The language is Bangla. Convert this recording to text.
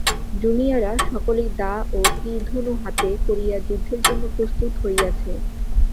জুমিয়ারা সকলেই দা ও তীরধনু হাতে করিয়া যুদ্ধের জন্য প্রস্তুত হইয়াছে।